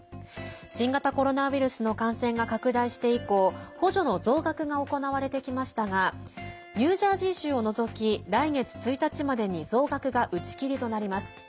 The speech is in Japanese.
新型コロナウイルスの感染が拡大して以降補助の増額が行われてきましたがニュージャージー州を除き来月１日までに増額が打ち切りとなります。